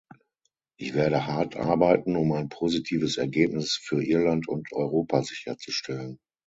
Ich werde hart arbeiten, um ein positives Ergebnis für Irland und Europa sicherzustellen.